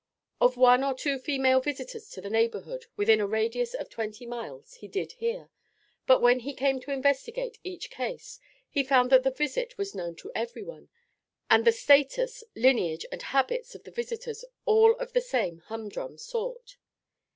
Of one or two female visitors to the neighbourhood within a radius of twenty miles he did hear, but when he came to investigate each case, he found that the visit was known to everyone, and the status, lineage and habits of the visitors all of the same humdrum sort.